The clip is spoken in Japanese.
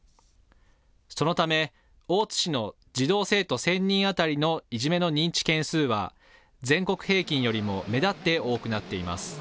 そのため、大津市の児童・生徒１０００人当たりのいじめの認知件数は、全国平均よりも目立って多くなっています。